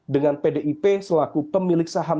dengan pdip selaku pemilik saham